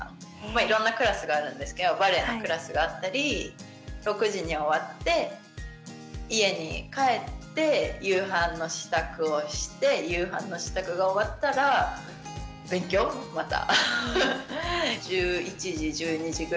いろんなクラスがあるんですけどバレエのクラスがあったり６時に終わって家に帰って夕飯の支度をして夕飯の支度が終わったら勉強また。